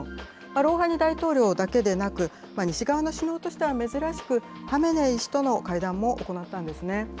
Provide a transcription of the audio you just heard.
ロウハニ大統領だけでなく、西側の首脳としては珍しく、ハメネイ師との会談も行ったんですね。